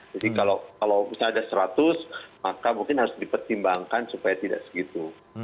jadi kalau misalnya ada seratus maka mungkin harus dipertimbangkan supaya tidak segitu